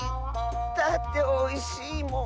だっておいしいもん。